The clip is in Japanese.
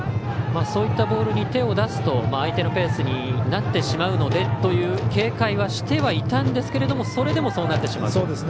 そういったボールに手を出すと相手のペースにはまってしまうと警戒はしてはいたんですけどそれでもそうなってしまう。